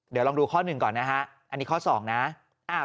เดี๋ยวลองดูข้อหนึ่งก่อนนะฮะอันนี้ข้อ๒นะ